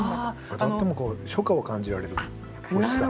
とっても初夏を感じられるおいしさ。